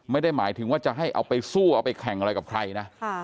ไม่ได้หมายถึงว่าจะให้เอาไปสู้เอาไปแข่งอะไรกับใครนะ